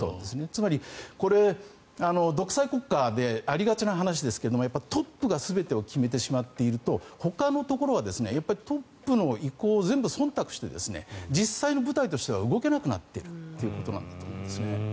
つまり、独裁国家でありがちな話なんですがトップが全てを決めてしまっているとほかのところはトップの意向を全部そんたくして実際の部隊としては動けなくなっているということなんだと思います。